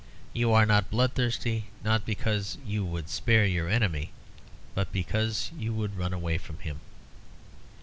You are not bloodthirsty, not because you would spare your enemy, but because you would run away from him."